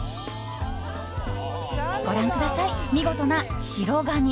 ご覧ください、見事な白髪。